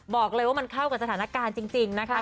บอกเลยว่ามันเข้ากับสถานการณ์จริงนะคะ